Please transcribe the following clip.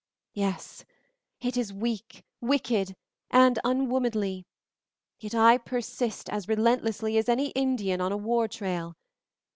"Yes, it is weak, wicked, and unwomanly; yet I persist as relentlessly as any Indian on a war trail.